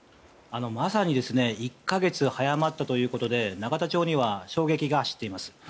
まさに１か月早まったということで永田町には衝撃が走っています。